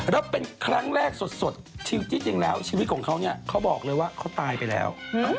แล้วเป็นครั้งแรกสดที่จริงแล้วชีวิตของเขาเนี่ยเขาบอกเลยว่าเขาตายไปแล้ว